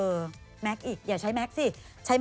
แม็กซ์อีกอย่าใช้แม็กซ์สิ